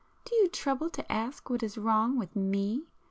Do you trouble to ask what is wrong with me?